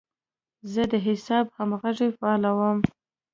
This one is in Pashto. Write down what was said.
زه د حساب همغږي فعالوم.